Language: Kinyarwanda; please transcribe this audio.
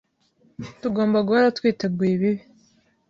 Tugomba guhora twiteguye ibibi.